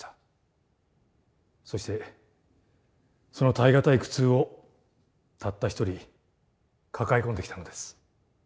そしてその耐え難い苦痛をたった一人抱え込んできたのです。